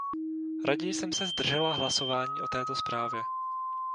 Raději jsem se zdržela hlasování o této zprávě.